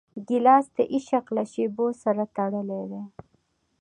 ګیلاس د عشق له شېبو سره تړلی دی.